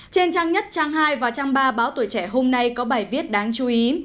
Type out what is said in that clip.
trên trang nhất trang hai và trang ba báo tuổi trẻ hôm nay có bài viết đáng chú ý